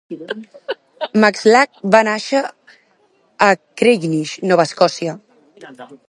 Maclsaac va nàixer a Creignish, Nova Escòcia.